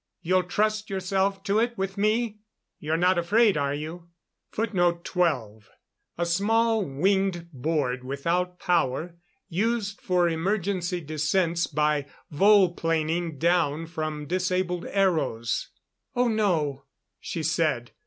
You'll trust yourself to it with me? You're not afraid, are you?" [Footnote 12: A small winged board without power, used for emergency descents by volplaning down from disabled aeros.] "Oh, no," she said.